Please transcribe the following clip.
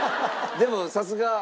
でもさすが。